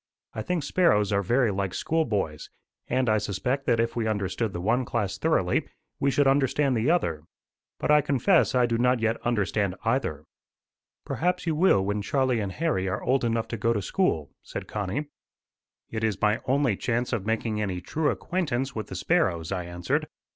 I think sparrows are very like schoolboys; and I suspect that if we understood the one class thoroughly, we should understand the other. But I confess I do not yet understand either." "Perhaps you will when Charlie and Harry are old enough to go to school," said Connie. "It is my only chance of making any true acquaintance with the sparrows," I answered.